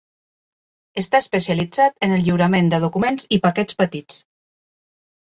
Està especialitzat en el lliurament de documents i paquets petits.